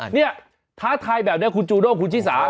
เนี่ยท้าทายแบบนี้คุณจูด้งคุณชิสา